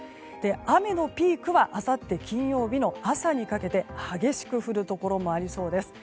雨のピークはあさって金曜日の朝にかけて激しく降るところもありそうです。